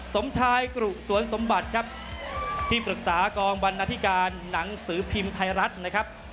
สมชายกรุสวนสมบัติครับที่ปรึกษากองบรรณาธิการหนังสือพิมพ์ไทยรัฐนะครับ